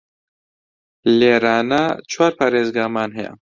لێرانە چوار پاریزگامان هەیە